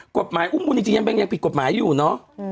กฎหมายอุ้มบุญจริงยังผิดกฎหมายอยู่เนอะ